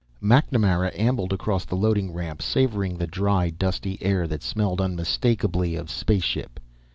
_ MacNamara ambled across the loading ramp, savoring the dry, dusty air that smelled unmistakable of spaceship.